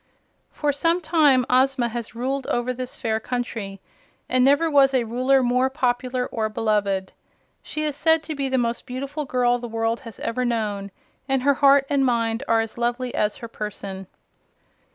For some time Ozma had ruled over this fair country, and never was Ruler more popular or beloved. She is said to be the most beautiful girl the world has ever known, and her heart and mind are as lovely as her person.